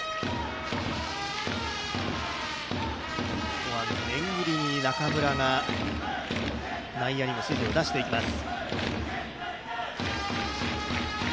ここは念入りに中村が内野にも指示を出していきます。